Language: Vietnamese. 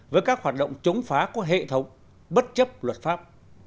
với các hoạt động chống phá có hệ thống bất chấp luật pháp